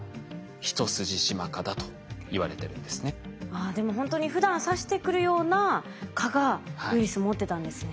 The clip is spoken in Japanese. ああでもほんとにふだん刺してくるような蚊がウイルス持ってたんですね。